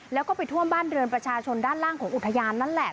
แล้วก็ไปท่วมบ้านเรือนประชาชนด้านล่างของอุทยานนั่นแหละ